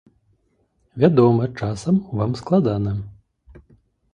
Вядома, часам вам складана.